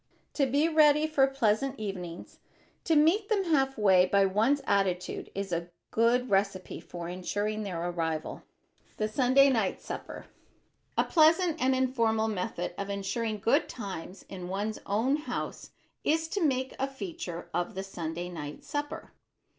To be ready for pleasant evenings, to meet them half way by one's attitude is a good recipe for insuring their arrival. [Sidenote: THE SUNDAY NIGHT SUPPER] A pleasant and informal method of insuring good times in one's own house is to make a feature of the Sunday night supper.